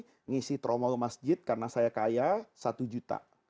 mengisi tromol masjid karena saya kaya satu juta